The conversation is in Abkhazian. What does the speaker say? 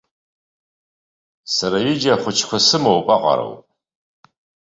Сара ҩыџьа ахәыҷқәа сымоуп аҟароуп.